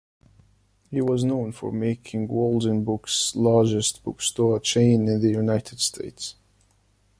He was known for making Waldenbooks largest bookstore chain in the United States.